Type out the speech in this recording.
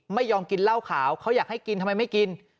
ไม่ยอมกินเหล้าขาวเขาอยากให้กินทำไมไม่กิน